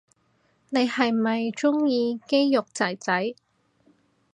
你係咪鍾意肌肉仔仔